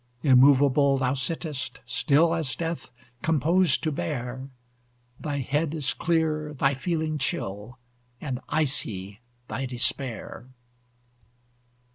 Immovable thou sittest, still As death, composed to bear! Thy head is clear, thy feeling chill, And icy thy despair.